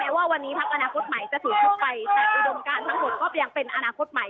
ว่าวันนี้พักอนาคตใหม่จะถือชุดไปแต่อุดมการทั้งหมดก็ยังเป็นอนาคตใหม่